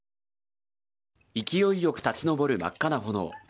勢いよく立ちのぼる真っ赤な炎。